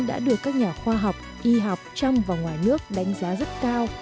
đã được các nhà khoa học y học trong và ngoài nước đánh giá rất cao